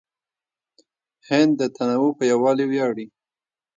هند د تنوع په یووالي ویاړي.